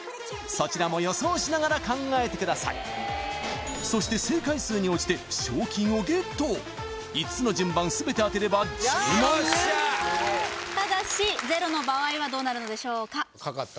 そちらも予想しながら考えてくださいそして正解数に応じて賞金をゲット５つの順番全て当てれば１０万円ただしゼロの場合はどうなるのでしょうか？